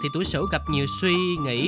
thì tuổi sử gặp nhiều suy nghĩ